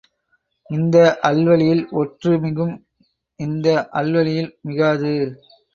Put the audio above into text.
இந்த அல்வழியில் ஒற்று மிகும் இந்த அல்வழியில் மிகாது.